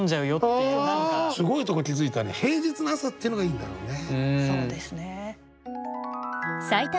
すごいとこ気付いたね平日の朝っていうのがいいんだろうね。